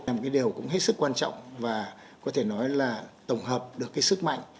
là một cái điều cũng hết sức quan trọng và có thể nói là tổng hợp được cái sức mạnh